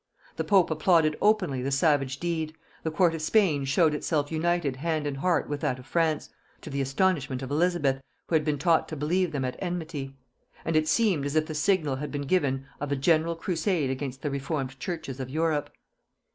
The pope applauded openly the savage deed; the court of Spain showed itself united hand and heart with that of France, to the astonishment of Elizabeth, who had been taught to believe them at enmity; and it seemed as if the signal had been given of a general crusade against the reformed churches of Europe.